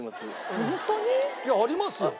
いやありますよ。